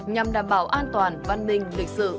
nhằm đảm bảo an toàn văn minh lịch sự